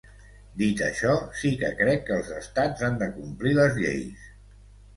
Dit això, sí que crec que els estats han de complir les lleis.